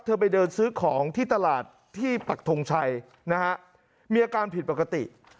ไปเดินซื้อของที่ตลาดที่ปักทงชัยนะฮะมีอาการผิดปกติ